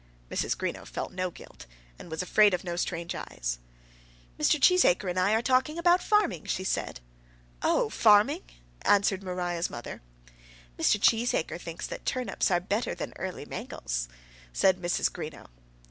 Mrs. Greenow felt no guilt, and was afraid of no strange eyes. "Mr. Cheesacre and I are talking about farming," she said. "Oh; farming!" answered Maria's mother. "Mr. Cheesacre thinks that turnips are better than early mangels," said Mrs. Greenow.